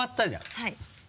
はい。